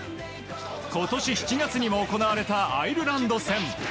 今年７月行われたアイルランド戦。